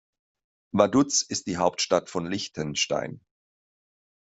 Vaduz ist die Hauptstadt von Liechtenstein.